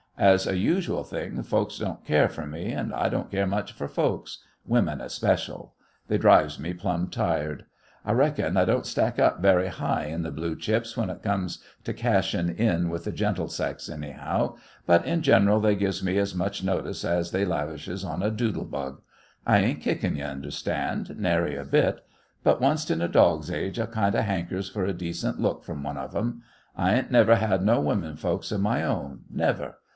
As a usual thing folks don't care fer me, and I don't care much fer folks. Women especial. They drives me plumb tired. I reckon I don't stack up very high in th' blue chips when it comes to cashin' in with the gentle sex, anyhow; but in general they gives me as much notice as they lavishes on a doodle bug. I ain't kickin', you understand, nary bit; but onct in a dog's age I kind of hankers fer a decent look from one of 'em. I ain't never had no women folks of my own, never.